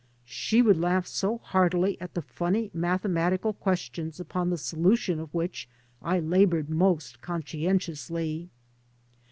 She would laugh so heartily at the funny mathematical questions upon the solu tion of which I laboured most conscientiously.